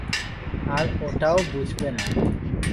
আর ওটাও বুঝবে না।